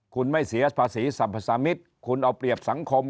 คุณไม่เสียภาษีสรรพสามิตรคุณเอาเปรียบสังคม